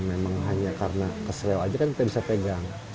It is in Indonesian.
memang hanya karena keserel aja kan kita bisa pegang